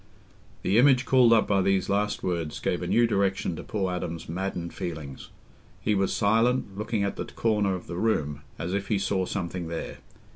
The image called up by these last words gave a new direction to poor Adam's maddened feelings. He was silent, looking at the corner of the room as if he saw something there.